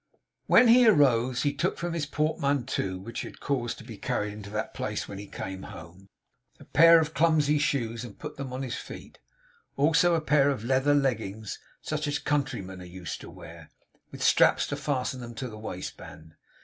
When he arose, he took from his portmanteau, which he had caused to be carried into that place when he came home, a pair of clumsy shoes, and put them on his feet; also a pair of leather leggings, such as countrymen are used to wear, with straps to fasten them to the waistband.